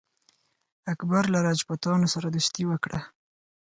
اکبر له راجپوتانو سره دوستي وکړه.